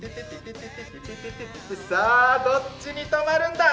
さあ、どっちに止まるんだ？